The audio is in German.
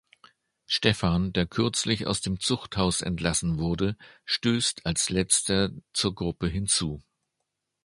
Stepan, der kürzlich aus dem Zuchthaus entlassen wurde, stößt als letzter zur Gruppe hinzu.